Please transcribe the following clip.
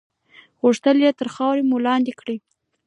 غوښتل یې تر خاورو مو لاندې کړي.